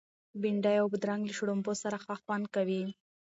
بنډۍ او بادرنګ له شړومبو سره ښه خوند کوي.